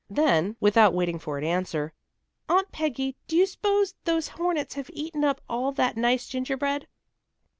Then, without waiting for an answer, "Aunt Peggy, do you s'pose those hornets have eated up all that nice gingerbread?"